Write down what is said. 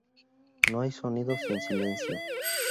No hay sonido sin silencio.